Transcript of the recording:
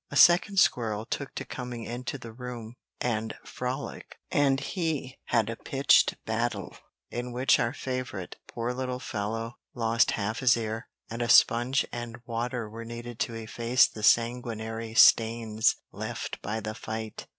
A second squirrel took to coming into the room, and Frolic and he had a pitched battle, in which our favourite, poor little fellow! lost half his ear, and a sponge and water were needed to efface the sanguinary stains left by the fight.